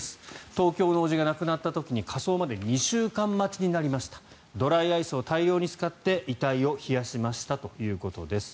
東京の叔父が亡くなった時に火葬まで２週間待ちになりましたドライアイスを大量に使って遺体を冷やしましたということです。